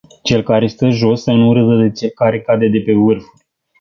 Cel care stă jos, să nu râdă de cel care cade de pe vârfuri.